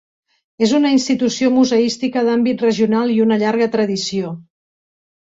És una institució museística d'àmbit regional i una llarga tradició.